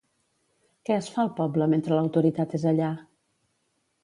Què es fa al poble mentre l'autoritat és allà?